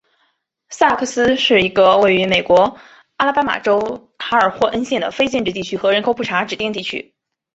萨克斯是一个位于美国阿拉巴马州卡尔霍恩县的非建制地区和人口普查指定地区。